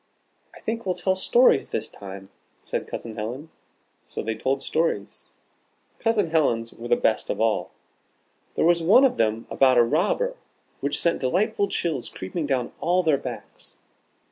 "I think we'll tell stories this time," said Cousin Helen. So they told stories. Cousin Helen's were the best of all. There was one of them about a robber, which sent delightful chills creeping down all their backs.